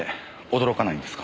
驚かないんですか？